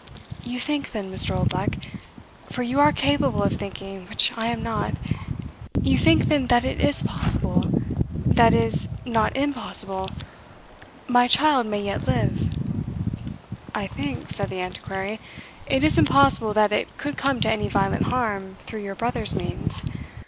"You think, then, Mr. Oldbuck for you are capable of thinking, which I am not you think, then, that it is possible that is, not impossible my child may yet live?" "I think," said the Antiquary, "it is impossible that it could come to any violent harm through your brother's means.